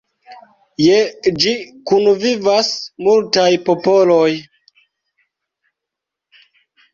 Je ĝi kunvivas multaj popoloj.